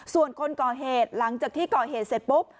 ส่วนคนก่อเหตุหลังจากที่ก่อเหตุเสร็จปุ๊บ